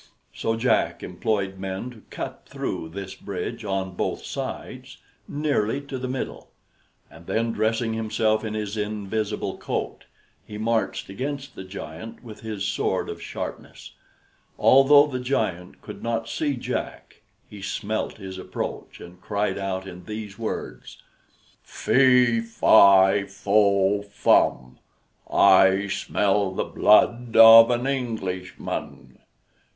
So Jack employed men to cut through this bridge on both sides, nearly to the middle; and then, dressing himself in his invisible coat, he marched against the giant with his sword of sharpness. Although the giant could not see Jack, he smelt his approach, and cried out in these words: "Fee, fi, fo, fum! I smell the blood of an Englishman!